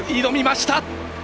挑みました！